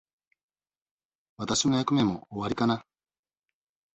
私の役目も終わりかな。